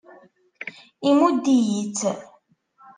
Imudd-iyi-tt.